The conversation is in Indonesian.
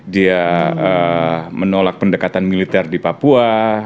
dia menolak pendekatan militer di papua